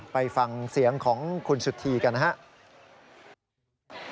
ไปฟังเสียงของคุณสุธีกันนะครับ